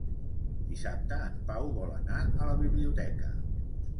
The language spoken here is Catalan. Dissabte en Pau vol anar a la biblioteca.